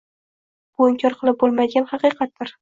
Bu inkor qilib boʻlmaydigan haqiqatdir.